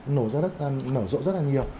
nở rộ rất là nhiều